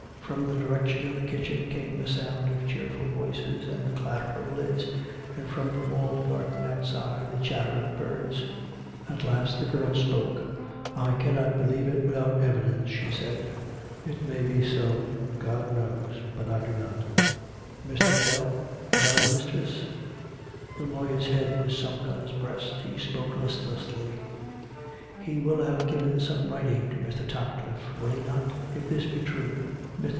From the direction of the kitchen came the sound of cheerful voices, and the clatter of lids, and from the walled garden outside the chatter of birds. ... At last the girl spoke. " I cannot believe it without evidence," she said. " It may be so. God knows ! But I do not. ... Mr. Biddell ?"" Well, mistress ?" The lawyer's head was sunk on his breast; he spoke listlessly. " He will have given some writing to Mr. Topcliffe, will he not.'' if this be true. Mr.